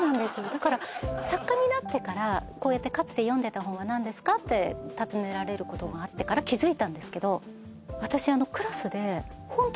だから作家になってからこうやってかつて読んでた本は何ですかって尋ねられることがあってから気付いたんですけど。